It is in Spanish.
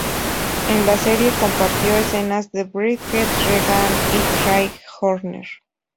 En la serie compartió escenas con Bridget Regan y Craig Horner.